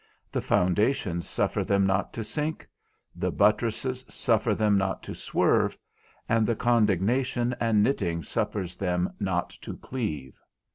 The foundations suffer them not to sink, the buttresses suffer them not to swerve, and the contignation and knitting suffers them not to cleave.